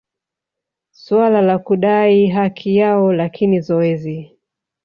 suala la kudai haki yao lakini zoezi